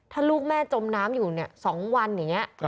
ถ้าลูกแม่จมน้ำอยู่๒วันอย่างนี้